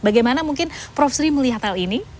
bagaimana mungkin prof sri melihat hal ini